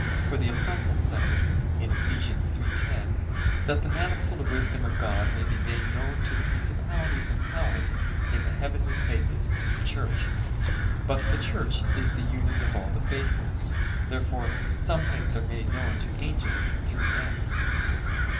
For the Apostle says (Eph. 3:10): "That the manifold wisdom of God may be made known to the principalities and powers in the heavenly places through the Church." But the Church is the union of all the faithful. Therefore some things are made known to angels through men.